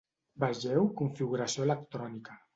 Vegeu configuració electrònica.